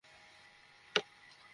জোর করিস না।